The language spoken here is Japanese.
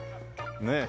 ねえ。